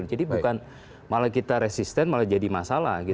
bukan malah kita resisten malah jadi masalah